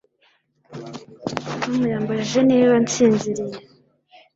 Tom yambajije niba nsinziriye